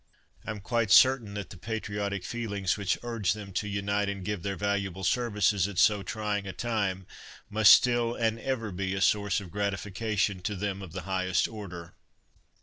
I am quite certain that the patriotic feelings which urged them to unite and give their valuable services at so trying a time must still and ever be a source of gratification to them of the highest order.